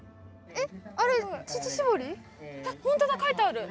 えっ！